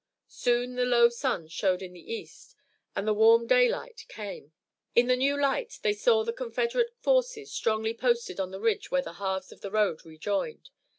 Soon the low sun showed in the east and the warm daylight came. In the new light they saw the Confederate forces strongly posted on the ridge where the halves of the road rejoined.